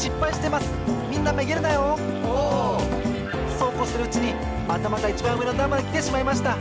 そうこうするうちにまたまたいちばんうえのだんまできてしまいました！